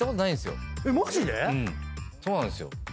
マジで⁉そうなんですよ。